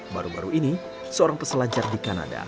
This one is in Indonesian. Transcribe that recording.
baru baru ini seorang peselancar di kanada